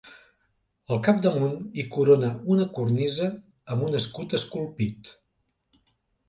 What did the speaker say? Al capdamunt hi corona una cornisa amb un escut esculpit.